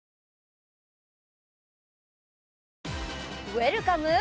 「ウェルカム！」